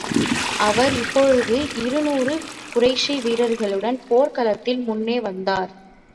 அவர் இப்பொழுது இருநூறு குறைஷி வீரர்களுடன் போர்க் களத்தில் முன்னே வந்தார்.